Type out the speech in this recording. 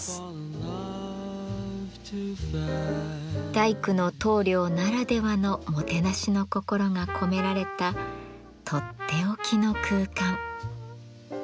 大工の棟梁ならではのもてなしの心が込められたとっておきの空間。